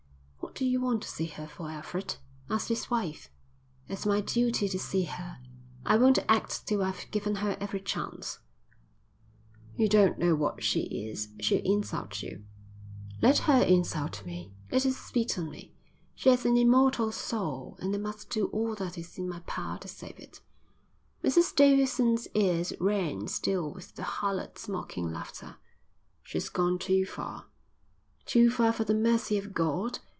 "What do you want to see her for, Alfred?" asked his wife. "It's my duty to see her. I won't act till I've given her every chance." "You don't know what she is. She'll insult you." "Let her insult me. Let her spit on me. She has an immortal soul, and I must do all that is in my power to save it." Mrs Davidson's ears rang still with the harlot's mocking laughter. "She's gone too far." "Too far for the mercy of God?"